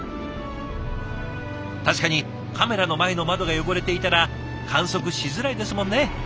確かにカメラの前の窓が汚れていたら観測しづらいですもんね。